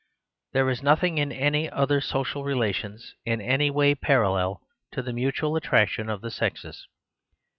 There is nothing in any other social relations in any way parallel to the mutual attraction of the sexes.